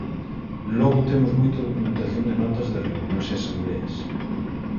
Logo temos moita documentación de notas de reunións e asembleas.